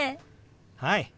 はい！